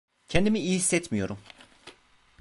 Kendimi iyi hissetmiyorum.